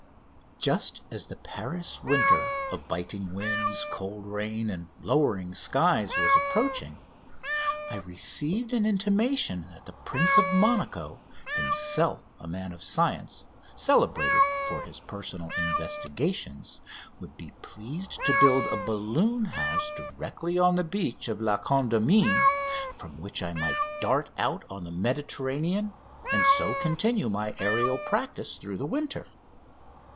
Just as the Paris winter of biting winds, cold rains, and lowering skies was approaching I received an intimation that the Prince of Monaco, himself a man of science celebrated for his personal investigations, would be pleased to build a balloon house directly on the beach of La Condamine, from which I might dart out on the Mediterranean, and so continue my aerial practice through the winter.